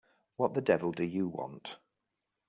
What the devil do you want?